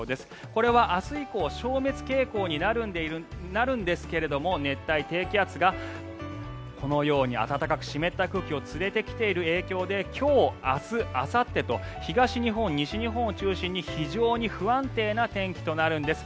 これは明日以降消滅傾向になるんですが熱帯低気圧がこのように暖かく湿った空気を連れてきている影響で今日、明日、あさってと東日本、西日本を中心に非常に不安定な天気となるんです。